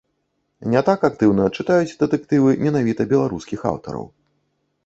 Не так актыўна чытаюць дэтэктывы менавіта беларускіх аўтараў.